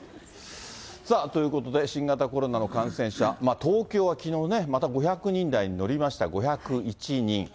さあ、ということで、新型コロナの感染者、東京はきのうね、また５００人台に乗りました、５０１人。